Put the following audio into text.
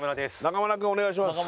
中村くんお願いします